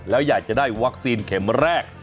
แล้วอยากจะได้วัคซีนเข็มแรก